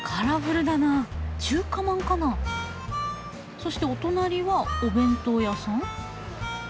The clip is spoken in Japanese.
そしてお隣はお弁当屋さん？